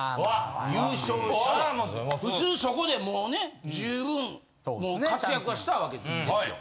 普通そこでもうね十分活躍はしたわけですよ。